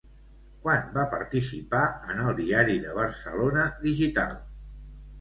Quan va participar en el Diari de Barcelona Digital?